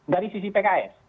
dari sisi pks